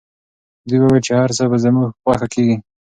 دوی وویل چي هر څه به زموږ په خوښه کیږي.